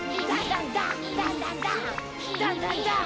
どんどんどん！